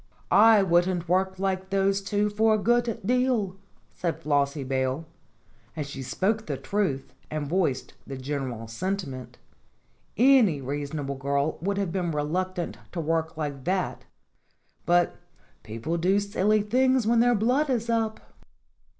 "I wouldn't work like those two for a good deal," CHRISIMISSIMA 123 said Flossie Bayle, and she spoke the truth and voiced the general sentiment. Any reasonable girl would have been reluctant to work like that, but people do silly things when their blood is up.